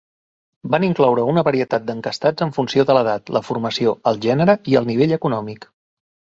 Van incloure una varietat d'enquestats en funció de l'edat, la formació, el gènere i el nivell econòmic...